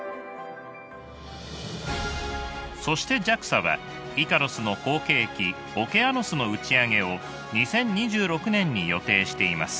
そしてＪＡＸＡはイカロスの後継機オケアノスの打ち上げを２０２６年に予定しています。